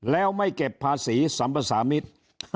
แล้วไม่เก็บภาษีสัมภาษามิตร